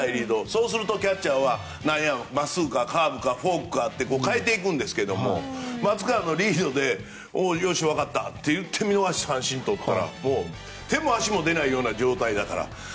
そうすると、キャッチャーは悩むまっすぐかカーブかフォークかって変えていくんですが松川君のリードでよし、分かったって言って見逃し三振をとったら手も足も出ないような状態だから。